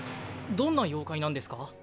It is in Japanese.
どんな妖怪なんですか？